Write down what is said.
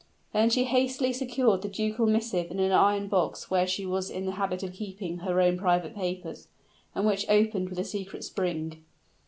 Then she hastily secured the ducal missive in an iron box where she was in the habit of keeping her own private papers, and which opened with a secret spring.